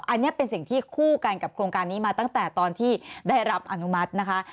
อันนี้เป็นสิ่งที่คู่กันกับโครงการนี้มาตั้งแต่ตอนที่ได้รับอนุมัตินะคะ